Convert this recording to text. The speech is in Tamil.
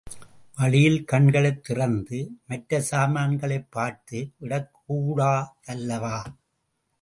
வழியில் கண்களைத் திறந்து மற்ற சாமான்களைப் பார்த்து விடக் கூடா தல்லவா?